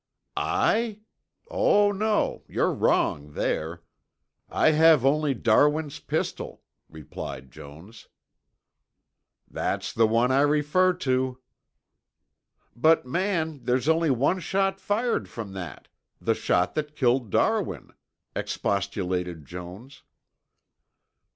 "I? Oh, no, you're wrong there. I have only Darwin's pistol," replied Jones. "That's the one I refer to." "But, man, there's only one shot fired from that, the shot that killed Darwin," expostulated Jones.